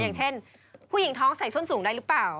อย่างเช่นผู้หญิงท้องใส่ส้นสูงได้หรือเปล่า